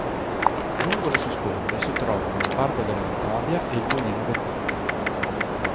Lungo le sue sponde si trovano il Parco della Vettabbia e il Mulino Vettabbia.